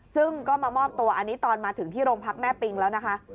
ซึ่งก็มามอบตัวอันนี้ตอนมาถึงที่โรงพักแม่ปิงแล้วนะคะ